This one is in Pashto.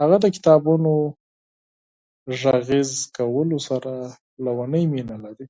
هغه د کتابونو غږیز کولو سره لیونۍ مینه لري.